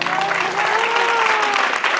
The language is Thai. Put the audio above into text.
สวัสดีค่ะ